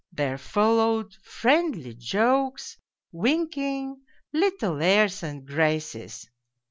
There followed friendly jokes, winking, little airs and graces.